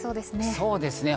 そうですね。